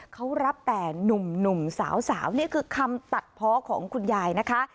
เขารับแต่หนุ่มสาวนี่คือคำตัดเพาะของคุณยายนะคะ